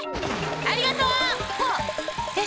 ありがとう！わっ！